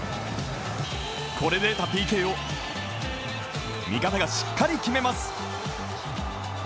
これで得たＰＫを、見方がしっかり決めます。